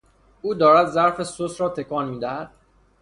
او دارد ظرف سس را تکان میدهد.